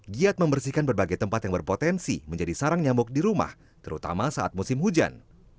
giat membersihkan berbagai tempat yang berpotensi menjadi sarang nyamuk di rumah terutama saat musim hujan